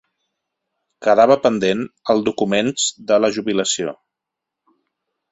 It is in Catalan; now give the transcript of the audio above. Quedava pendent el documents de la jubilació.